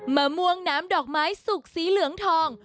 มะม่วงน้ำดอกไม้สุกสีเหลืองทอง